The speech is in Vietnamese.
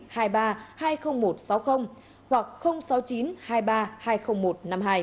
hãy đăng ký kênh để nhận thông tin nhất